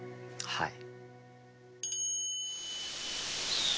はい。